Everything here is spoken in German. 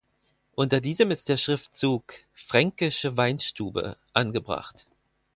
Unter diesem ist der Schriftzug „Fränkische Weinstube“ angebracht.